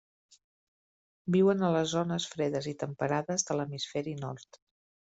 Viuen a les zones fredes i temperades de l'hemisferi nord.